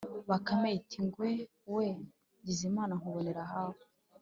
bakame iti: ‘ngwe we, ngize imana nkubonera hafi,